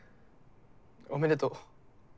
おめでとう。